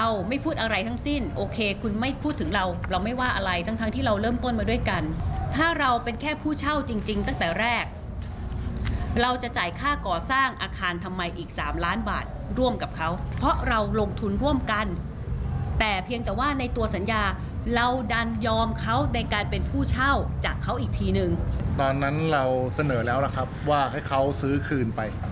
เราไม่พูดอะไรทั้งสิ้นโอเคคุณไม่พูดถึงเราเราไม่ว่าอะไรทั้งทั้งที่เราเริ่มต้นมาด้วยกันถ้าเราเป็นแค่ผู้เช่าจริงจริงตั้งแต่แรกเราจะจ่ายค่าก่อสร้างอาคารทำไมอีกสามล้านบาทร่วมกับเขาเพราะเราลงทุนร่วมกันแต่เพียงแต่ว่าในตัวสัญญาเราดันยอมเขาในการเป็นผู้เช่าจากเขาอีกทีนึงตอนนั้นเราเสนอแล้วล่ะครับว่าให้เขาซื้อคืนไป